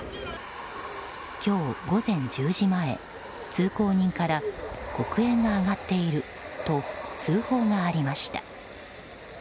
今日午前１０時前、通行人から黒煙が上がっていると通報がありました。